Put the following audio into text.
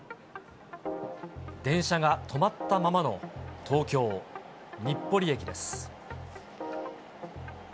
電車が止まったままの東京・日暮里駅です。